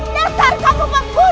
dasar kamu pembunuh